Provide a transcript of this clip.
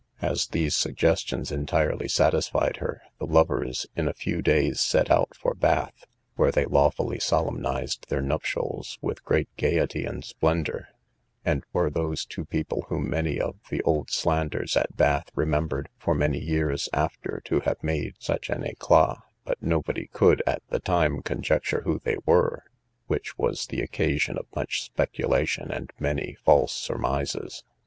As these suggestions entirely satisfied her, the lovers in a few days set out for Bath, where they lawfully solemnized their nuptials with great gaiety and splendour, and were those two persons whom many of the old slanders at Bath remembered for many years after to have made such an eclat, but nobody could, at the time, conjecture who they were, which was the occasion of much speculation and many false surmises.